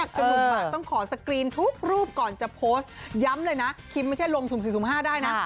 หนุ่มหมากต้องขอสกรีนทุกรูปก่อนจะโพสต์ย้ำเลยนะคิมไม่ใช่ลงสุ่ม๔สุ่ม๕ได้นะ